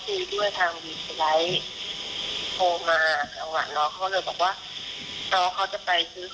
แต่สุดท้ายที่เขาไม่พาน้องไป